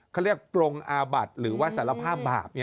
เขาเรียกปรงอาบัติหรือว่าสารภาพบาป